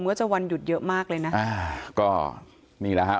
ว่าจะวันหยุดเยอะมากเลยนะอ่าก็นี่แหละฮะ